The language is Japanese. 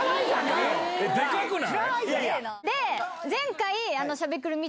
えっ、でかくない？